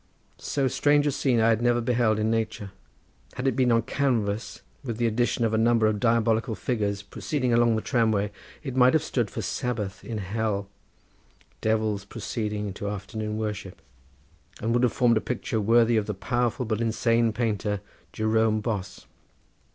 So strange a scene I had never beheld in nature. Had it been on canvas, with the addition of a number of diabolical figures, proceeding along the tramway, it might have stood for Sabbath in Hell—devils proceeding to afternoon worship, and would have formed a picture worthy of the powerful but insane painter Jerome Bos.